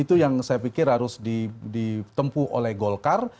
itu yang saya pikir harus ditempuh oleh golkar